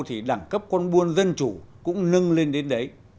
thì đẳng cấp con buôn dân chủ cũng nâng lên đến đấy